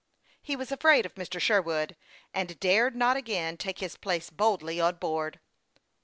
He was afraid of Mr. Sherwood, and dared not again take his place holdly on board.